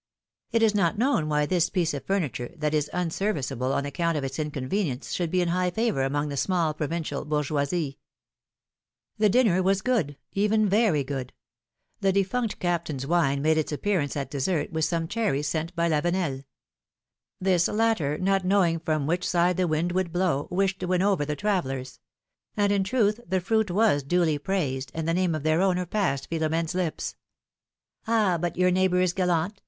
It is not known why this piece of furniture, that is unserviceable on account of its inconve nience, should be in high favor among the small provincial boiirgeokie. 64 PHILOMi:NE's MARIIIAGES. The dinner was good, even very good. Tlie defunct Captain's wine made its appearance at dessert, with some cherries sent by Lavenel. This latter, not knowing from which side the wind would blow, wished to win over the travellers ; and, in truth, the fruit was duly praised, and the name of their owner passed Philom^ne's lips. ^'Ah ! but your neighbor is gallant